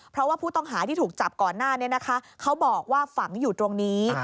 เพราะว่าผู้ต้องหาที่ถูกจับก่อนหน้านี้นะคะเขาบอกว่าฝังอยู่ตรงนี้